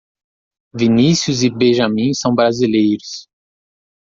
Vinícius e Benjamim são Brasileiros.